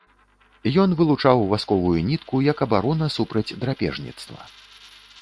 Ён вылучаў васковую нітку, як абарона супраць драпежніцтва.